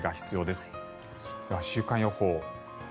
では週間予報。